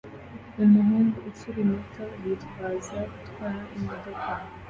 Umuhungu ukiri muto yitwaza gutwara imodoka